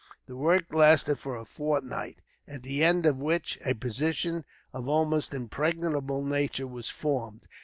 The work lasted for a fortnight, at the end of which a position of an almost impregnable nature was formed.